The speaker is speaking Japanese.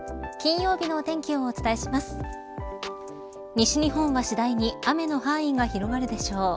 西日本は次第に雨の範囲が広がるでしょう。